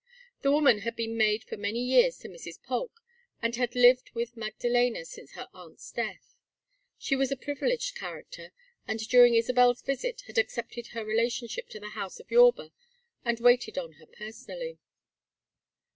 The woman had been maid for many years to Mrs. Polk and had lived with Magdaléna since her aunt's death. She was a privileged character, and during Isabel's visit had accepted her relationship to the house of Yorba and waited on her personally.